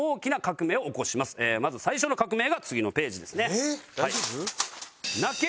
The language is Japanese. まず最初の革命が次のページですね。